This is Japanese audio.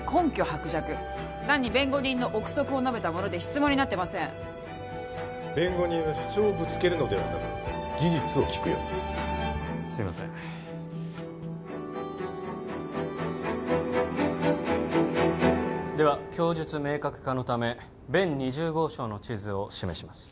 薄弱単に弁護人の臆測を述べたもので質問になってません弁護人は主張をぶつけるのではなく事実を聞くようにすいませんでは供述明確化のため弁２０号証の地図を示します